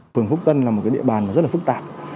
phường phúc tân là một địa bàn rất là phức tạp